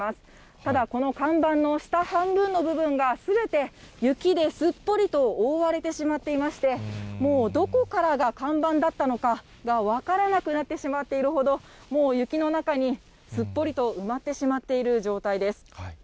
ただ、この看板の下半分の部分が、すべて雪ですっぽりと覆われてしまっていまして、もうどこからが看板だったのかが分からなくなってしまっているほど、もう雪の中にすっぽりと埋まってしまっている状態です。